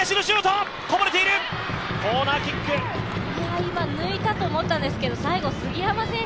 今、抜いたと思ったんですけど最後、杉山選手